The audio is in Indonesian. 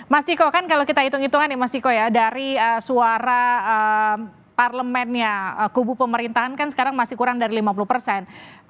mas ciko kan kalau kita hitung hitungan ya mas ciko ya dari suara parlemennya kubu pemerintahan kan sekarang masih kurang dari lima puluh persen